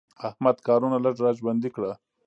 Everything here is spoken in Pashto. احمده کارونه لږ را ژوندي کړه.